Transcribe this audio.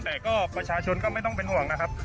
แต่ก็ประชาชนก็ไม่ต้องเป็นห่วงนะครับ